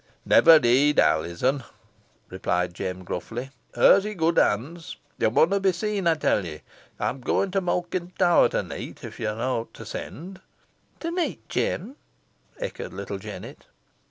"Never heed Alizon," replied Jem, gruffly. "Hoo's i' good hands. Ye munna be seen, ey tell ye. Ey'm going to Malkin Tower to neet, if yo'n owt to send." "To neet, Jem," echoed little Jennet.